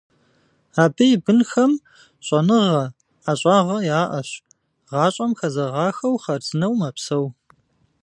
Абы и бынхэм щӀэныгъэ, ӀэщӀагъэ яӀэщ, гъащӀэм хэзэгъахэу хъарзынэу мэпсэу.